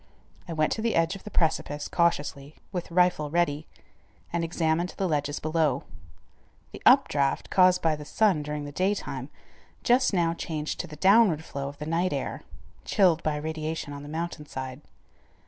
I went to the edge of the precipice cautiously, with rifle ready, and examined the ledges below. The up draught, caused by the sun during the daytime, just now changed to the downward flow of the night air, chilled by radiation on the mountain side.